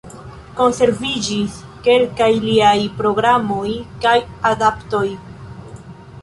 Konserviĝis kelkaj liaj programoj kaj adaptoj.